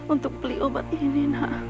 untuk beli obat ini